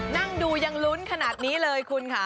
นั่งดูยังลุ้นขนาดนี้เลยคุณค่ะ